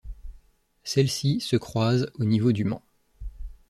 Celles-ci se croisent au niveau du Mans.